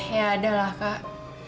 ya ada lah kak